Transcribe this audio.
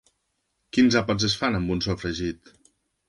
Quins àpats es fan amb un sofregit?